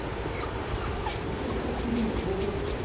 東京スカイツリーの頂上部です。